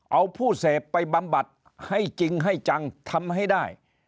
เอาผู้เสพไปบำบัดให้จริงให้จังทำให้ได้